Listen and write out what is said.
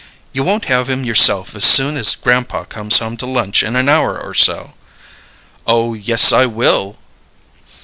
You won't have him yourself as soon as grandpa comes home to lunch in an hour or so." "Oh, yes, I will!"